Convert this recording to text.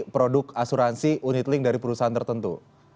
produk asuransi unitlink dari perusahaan tertentu